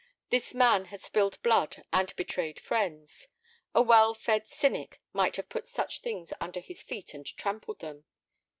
This man had spilled blood and betrayed friends. A well fed cynic might have put such things under his feet and trampled them.